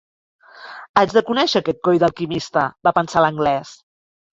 Haig de conèixer aquest coi d'alquimista, va pensar l'Anglès.